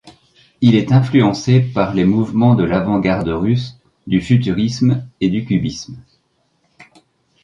Il est influencé par les mouvements de l'Avant-garde russe, du futurisme et du cubisme.